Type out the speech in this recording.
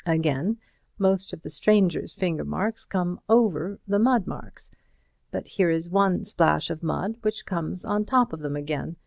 Again, most of the stranger's finger marks come over the mud marks, but here is one splash of mud which comes on top of them again.